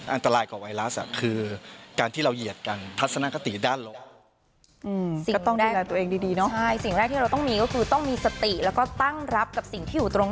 อันตรายกว่าไวรัสคือการที่เราเหยียดกัน